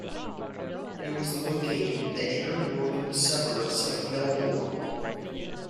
It was located in the inner northern suburbs of Melbourne.